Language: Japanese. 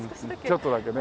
ちょっとだけね。